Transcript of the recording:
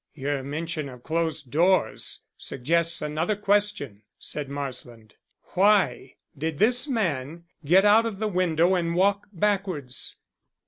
"Your mention of closed doors suggests another question," said Marsland. "Why did this man get out of the window and walk backwards?